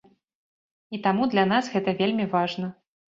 І таму для нас гэта вельмі важна.